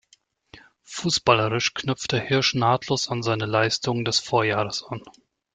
Fußballerisch knüpfte Hirsch nahtlos an seine Leistungen des Vorjahres an.